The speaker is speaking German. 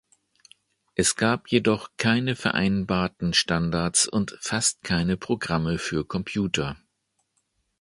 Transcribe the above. Es gab jedoch keine vereinbarten Standards und fast keine Programme für Computer.